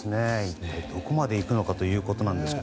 一体どこまでいくのかというところなんですが。